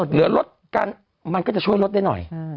เหลือลดกันมันก็จะช่วยลดได้หน่อย